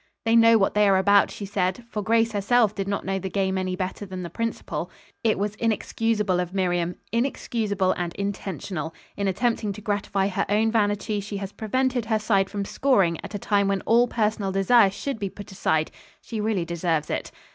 "They know what they are about," she said, for Grace herself did not know the game any better than the principal. "It was inexcusable of Miriam, inexcusable and intentional. In attempting to gratify her own vanity she has prevented her side from scoring at a time when all personal desire should be put aside. She really deserves it."